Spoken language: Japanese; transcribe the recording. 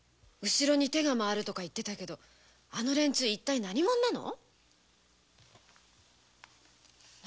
後ろに手が回るとか言ってたけどあの連中は何者なの？